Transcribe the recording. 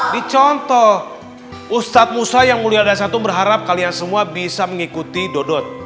dicontoh ustadz musa yang mulia dan satu berharap kalian semua bisa mengikuti dodot